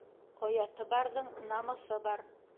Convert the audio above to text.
Ояты барҙың намыҫы бар.